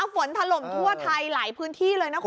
ถล่มทั่วไทยหลายพื้นที่เลยนะคุณ